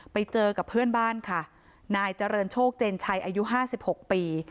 ไปเจอกับเพื่อนบ้านค่ะนายเจริญโชคเจนชัยอายุ๕๖ปี